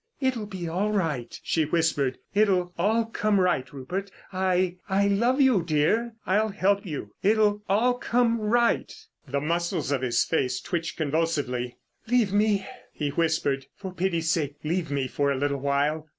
"It'll be all right," she whispered. "It'll all come right, Rupert. I—I love you, dear, I'll help you. It'll all come right." The muscles of his face twitched convulsively. "Leave me," he whispered. "For pity's sake leave me for a little while."